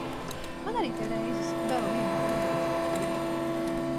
Man arī pie reizes, vēl vienu krūzīti.